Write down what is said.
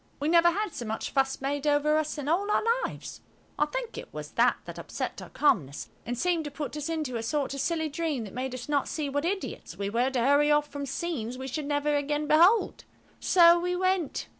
We never had so much fuss made over us in all our lives. I think it was that that upset our calmness, and seemed to put us into a sort of silly dream that made us not see what idiots we were to hurry off from scenes we should never again behold. So we went.